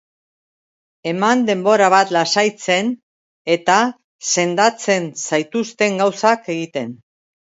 Eman denbora bat lasaitzen eta sendatzen zaituzten gauzak egiten.